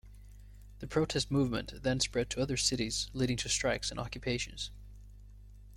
The protest movement then spread to other cities, leading to strikes and occupations.